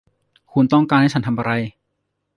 คุณต้องการให้ฉันทำอะไร ?